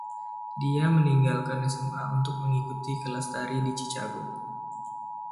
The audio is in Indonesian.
Dia meninggalkan SMA untuk mengikuti kelas tari di Chicago.